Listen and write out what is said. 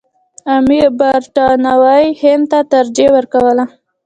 امیر برټانوي هند ته ترجیح ورکوله.